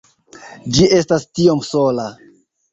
Ĝi estas tiom sola